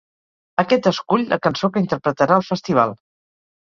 Aquest escull la cançó que interpretarà al Festival.